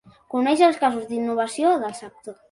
Conèixer els casos d'innovació del sector.